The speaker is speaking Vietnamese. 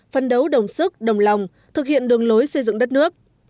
phân đấu đồng sức đồng lòng thực hiện đường lối xây dựng đất nước